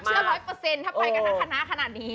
เชื่อรายแรด๑๐๐ถ้าไปกับมีคณะขนาดนี้